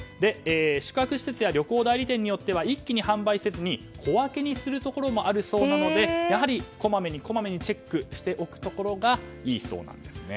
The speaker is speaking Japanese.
宿泊施設や旅行代理店によっては一気に販売せずに小分けにするところもあるそうなのでこまめにチェックしておくところがいいそうなんです。